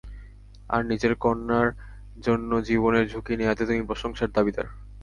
আর নিজের কন্যার জন্য জীবনের ঝুঁকি নেয়াতে তুমি প্রশংসার দাবিদার।